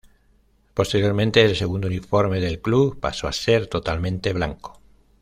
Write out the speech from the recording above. Posteriormente, el segundo uniforme del club pasó a ser totalmente blanco.